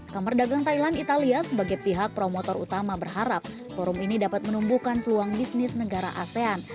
kamar dagang thailand italia sebagai pihak promotor utama berharap forum ini dapat menumbuhkan peluang bisnis negara asean